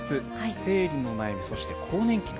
生理の悩みそして更年期の不安です。